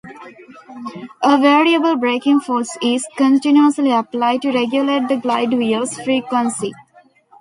A variable braking force is continuously applied to regulate the glide wheel's frequency.